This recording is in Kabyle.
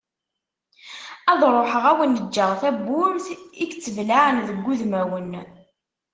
Ad ruḥeγ ad awen-ğğeγ tawwurt i yettblaԑen deg udemawen.